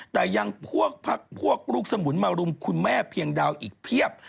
แต่ยังพวกพักพวกลูกสมุนมารุมคุณแม่เพียงดาวอีกเพียบ